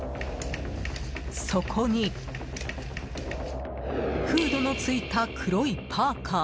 そこにフードのついた黒いパーカ。